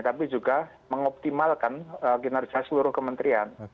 tapi juga mengoptimalkan kinerja seluruh kementerian